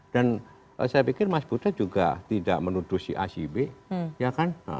dan saya pikir mas butet juga tidak menuduh si a si b ya kan